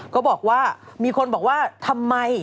ก็บอกว่ามีคนบอกว่าทำไม